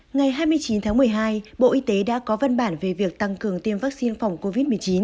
ngày hai mươi chín tháng một mươi hai bộ y tế đã có văn bản về việc tăng cường tiêm vaccine phòng covid một mươi chín